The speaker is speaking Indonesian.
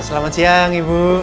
selamat siang ibu